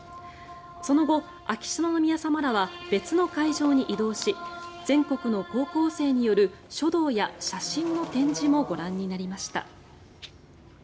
その後、秋篠宮さまらは別の会場に移動し全国の高校生による書道や写真の展示もご覧になりました。